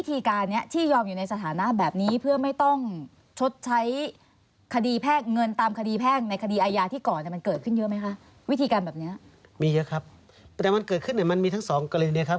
แต่มันเกิดขึ้นมันมีทั้ง๒การณีครับ